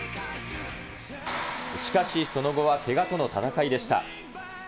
しかしその後はけがとの闘いでした。